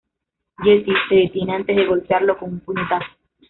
Jesse se detiene antes de golpearlo con un puñetazo.